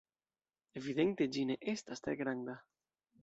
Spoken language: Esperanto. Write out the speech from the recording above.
Evidente ĝi ne estas tre granda.